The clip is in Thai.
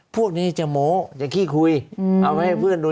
พวกนี้จะโม้จะขี้คุยเอามาให้เพื่อนดู